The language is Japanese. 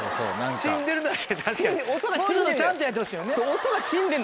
死んでる確かにもうちょっとちゃんとやってほしいよね。